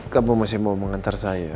kamu masih mau mengantar saya